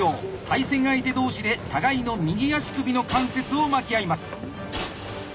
対戦相手同士で互いの右足首の関節を巻き合います。